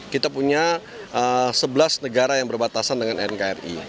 kita punya sebelas negara yang berbatasan dengan nkri